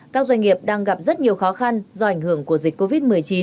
các doanh nghiệp đang gặp rất nhiều khó khăn do ảnh hưởng của dịch covid một mươi chín